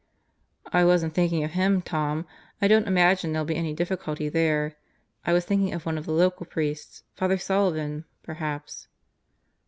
"I wasn't thinking of him, Tom. I don't imagine there'll be any difficulty there. I was thinking of one of the local priests.* Father Sullivan, perhaps.